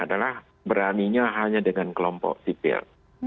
adalah beraninya hanya dengan kelompok sipil